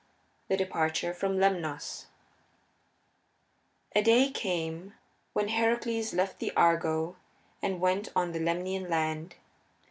X. THE DEPARTURE FROM LEMNOS A day came when Heracles left the Argo and went on the Lemnian land.